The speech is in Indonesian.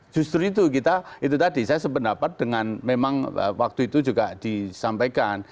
justru itu kita itu tadi saya sependapat dengan memang waktu itu juga disampaikan